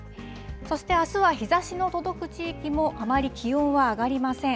そしてあすは日ざしの届く地域もあまり気温は上がりません。